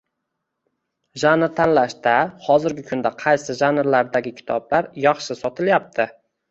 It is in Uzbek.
Janr tanlashda hozirgi kunda qaysi janrlardagi kitoblar yaxshi sotilayapti